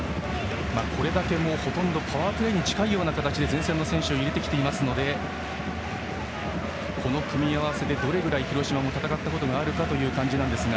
これだけ、ほとんどパワープレーに近いような感じで前線の選手を入れてきていますのでこの組み合わせでどれぐらい広島も戦ったことがあるかという感じですが。